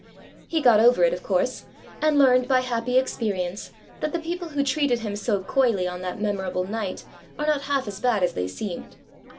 He got over it, of course; and learned by happy experience that the people who treated him so coyly on that memorable night are not half as bad as they seemed.